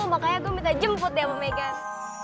makanya gue minta jemput deh ama megan